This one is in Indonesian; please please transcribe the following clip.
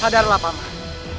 sadarlah pak man